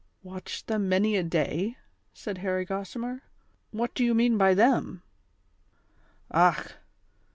"Watched them many a day?" said Harry Gossimer. " What do you mean by them ?" "Och!